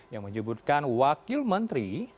yang menyebutkan wakil menteri